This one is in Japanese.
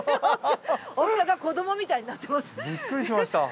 青木さんが子どもみたいになってます。